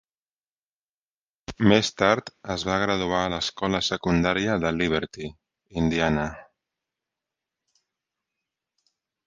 Més tard es va graduar a l'escola secundària de Liberty, Indiana.